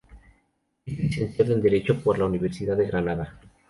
Es licenciado en Derecho por la Universidad de Granada.